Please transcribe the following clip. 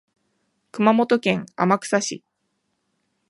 熊本県天草市